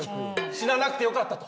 死ななくてよかったと。